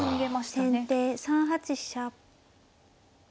先手３八飛車。